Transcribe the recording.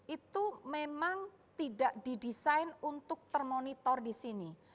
itu memang tidak didesain untuk termonitor disini